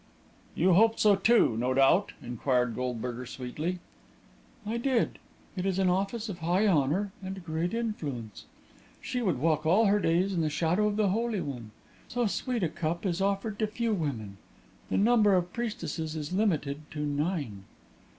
"You hoped so, too, no doubt?" inquired Goldberger sweetly. "I did. It is an office of high honour and great influence. She would walk all her days in the shadow of the Holy One. So sweet a cup is offered to few women. The number of priestesses is limited to nine."